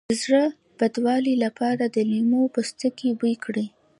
د زړه بدوالي لپاره د لیمو پوستکی بوی کړئ